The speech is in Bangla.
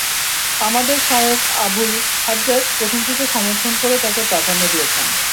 আমাদের শায়খ আবুল হাজ্জাজ প্রথমটিকে সমর্থন করে তাঁকে প্রাধান্য দিয়েছেন।